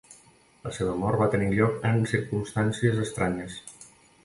La seva mort va tenir lloc en circumstàncies estranyes.